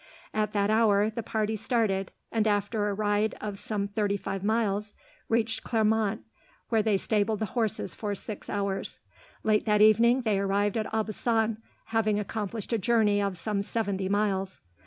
At that hour, the party started, and after a ride of some thirty five miles reached Clermont, where they stabled the horses for six hours. Late that evening they arrived at Aubusson, having accomplished a journey of some seventy miles.